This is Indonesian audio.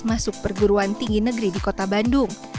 masuk perguruan tinggi negeri di kota bandung